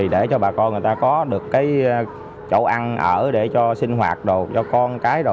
đó được cái chỗ ăn ở để cho sinh hoạt đồ cho con cái đồ